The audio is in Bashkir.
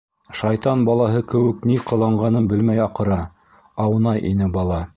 Шайтан балаһы кеүек ни ҡыланғанын белмәй аҡыра, аунай ине бала.